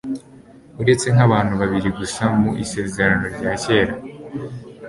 uretse nk'ahantu habiri gusa mu isezerano rya kera